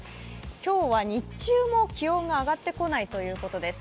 今日は日中も気温が上がってこないということです。